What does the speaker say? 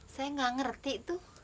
saya gak ngerti tuh